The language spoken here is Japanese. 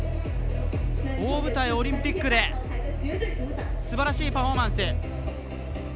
大舞台、オリンピックですばらしいパフォーマンス。